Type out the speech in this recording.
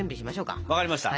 分かりました。